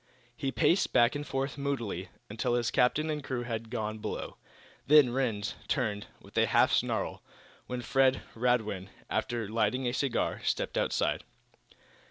He paced back and forth, moodily, until his captain and crew had gone below. Then Rhinds turned, with a half snarl, when Fred Radwin, after lighting a cigar, stepped outside.